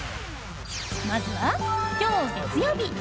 まずは今日、月曜日。